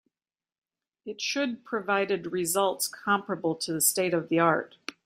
It should provided results comparable to the state of the art.